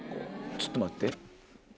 ちょっと待って。